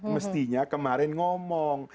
mestinya kemarin ngomong